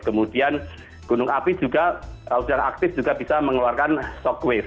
kemudian gunung api juga udara aktif juga bisa mengeluarkan shockwave